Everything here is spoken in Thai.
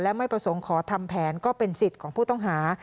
และไม่ประสงค์ขอทำแผนก็เป็นสิทธิ์ของผู้ต้องหา